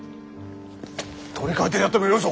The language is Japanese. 取り替えてやってもよいぞ。